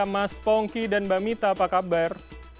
mas pongki dan mbak mita apa kabar